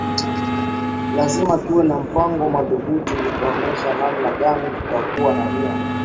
Lazima tuwe na mpango madhubuti utaonesha namna gani tutakuwa na nia